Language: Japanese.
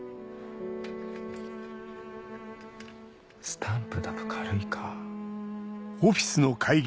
スタンプだと軽いか。